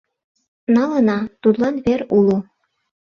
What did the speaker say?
— Налына, тудлан вер уло.